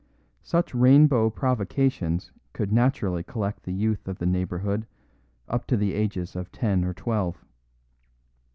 Such rainbow provocations could naturally collect the youth of the neighbourhood up to the ages of ten or twelve.